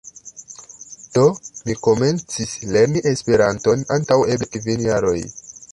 Do mi komencis lerni Esperanton antaŭ eble kvin jaroj.